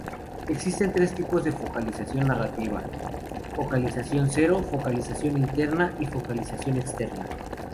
Existen tres tipos de focalización narrativa: focalización cero, focalización interna y focalización externa.